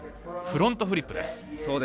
フロントフリップです。